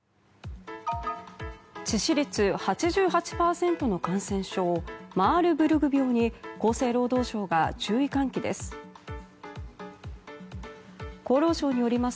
致死率８８％の感染症マールブルグ病に厚生労働省が注意喚起です。